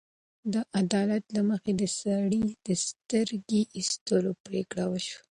د عدالت له مخې د سړي د سترګې ایستلو پرېکړه وشوه.